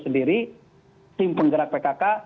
sendiri tim penggerak pkk